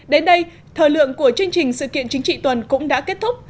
đến đây thời lượng của chương trình sự kiện chính trị tuần cũng đã kết thúc